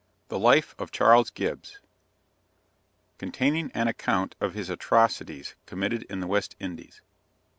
THE LIFE OF CHARLES GIBBS. Containing an Account of his Atrocities committed in the West Indies.